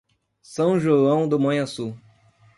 São João do Manhuaçu